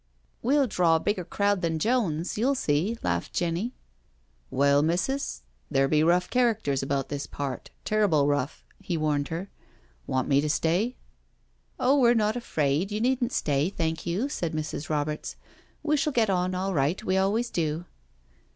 '*" We'll draw a bigger crowd than Jones, you'll see," laughed Jenny. " Well, missus, there be rough characters about this part— terrible rough/" he warned her. *' Want me to stay?" " Oh, we're not afraid, you needn't stay, thank you,'* said Mrs. Roberts. " We shall get on all rights we always do."